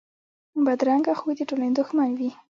بدرنګه خوی د ټولنې دښمن وي